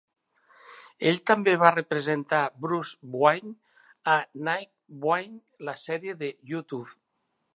Ell també va representar Bruce Wayne a Nightwing: La sèrie a YouTube.